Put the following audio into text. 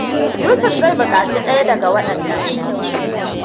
Yusuf zai buƙaci ɗaya daga waɗannan.